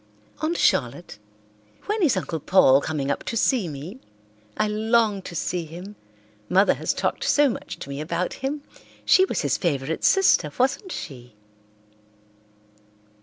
"Aunt Charlotte, when is Uncle Paul coming up to see me? I long to see him; Mother has talked so much to me about him. She was his favourite sister, wasn't she?"